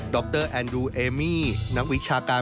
ดรเอ็นดรูเอมมี่นังวิทยาลัย